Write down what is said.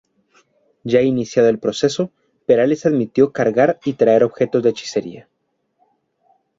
Ya iniciado el proceso, Perales admitió cargar y traer objetos de hechicería.